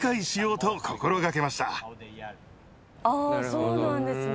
そうなんですね。